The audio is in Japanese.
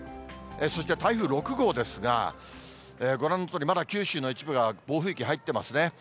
そして台風６号ですが、ご覧のとおり、まだ九州の一部が暴風域、入ってますね。